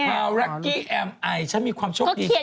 พาวรักกี้แอมไอฉันมีความโชคดีแค่ไหน